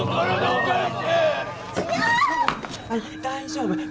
大丈夫。